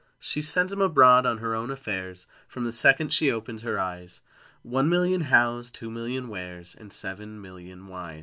She sends 'em abroad on her own affairs, From the second she opens her eyes One million Hows, two million Wheres, And seven million Whys!